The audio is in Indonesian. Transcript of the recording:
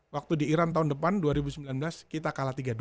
waktu di iran tahun depan dua ribu sembilan belas kita kalah tiga dua